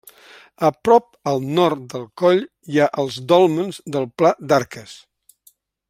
A prop al nord del coll hi ha els Dòlmens del Pla d'Arques.